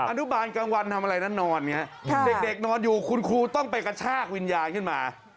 อนุบาลกลางวันทำอะไรนะนอนอย่างนี้เด็กนอนอยู่คุณครูต้องไปกระชากวิญญาณขึ้นมา